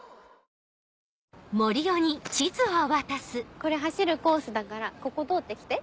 これ走るコースだからここ通って来て。